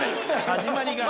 始まりが。